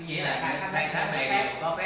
quý vị là khai thác bề đẹp